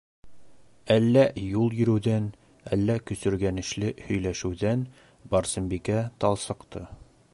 Әллә юл йөрөүҙән, әллә көсөргәнешле һөйләшеүҙән - Барсынбикә талсыҡты.